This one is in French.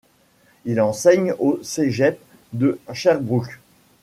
Il enseigne au Cégep de Sherbrooke.